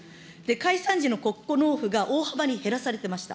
解散時の国庫納付が大幅に減らされていました。